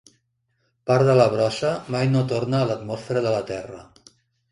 Part de la brossa mai no torna a l'atmosfera de la Terra.